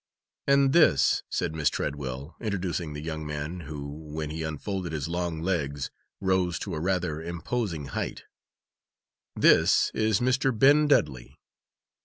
"And this," said Miss Treadwell, introducing the young man, who, when he unfolded his long legs, rose to a rather imposing height, "this is Mr. Ben Dudley."